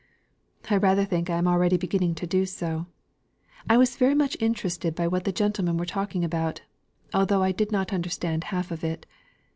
I rather think I am already beginning to do so. I was very much interested by what the gentlemen were talking about, although I did not understand half of it.